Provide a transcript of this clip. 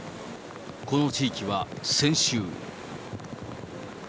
この地域は先週。